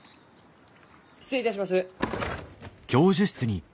失礼いたします。